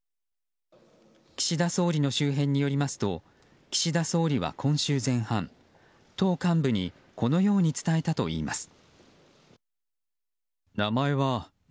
岸田総理の周辺によりますと岸田総理は今週前半党幹部にこのように伝えたといいます。